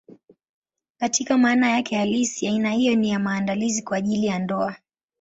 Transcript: Katika maana yake halisi, aina hiyo ni ya maandalizi kwa ajili ya ndoa.